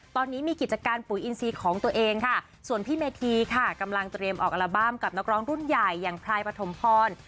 ตอนนี้มีกิจการปุ๋ยอินซีของตัวเองค่ะส่วนพี่เมธีค่ะกำลังเตรียมออกอัลบั้มกับนักร้องรุ่นใหญ่อย่างพลายปฐมพร